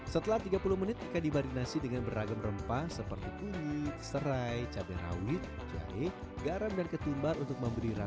setelah tiga puluh menit ikan dibarinasi dengan beragam rempah seperti kunyit serai cabai rawit jahe garam dan ketumbar untuk memberi rasa